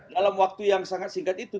dalam waktu yang sangat singkat itu